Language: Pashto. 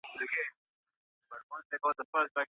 آیا انټرنیټي پاڼې د معلوماتو د لټون لپاره کارول کېږي؟